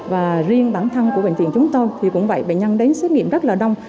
và riêng bản thân của bệnh viện chúng tôi thì cũng vậy bệnh nhân đến xét nghiệm rất là đông